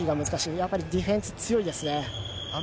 やはりディフェンス、強いですね。